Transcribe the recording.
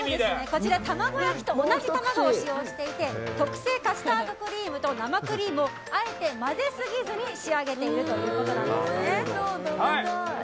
こちら、卵焼きと同じ卵を使用していて特製カスタードクリームと生クリームをあえて混ぜすぎずに仕上げているということです。